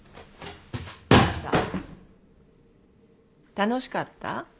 楽しかった？